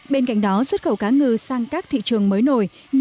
bên cạnh đó xuất khẩu cá ngừ đông hộp của việt nam và mỹ và eu vẫn tăng so với cùng kỳ